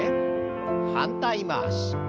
反対回し。